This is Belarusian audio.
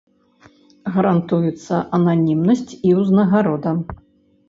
Гарантуецца ананімнасць і ўзнагарода.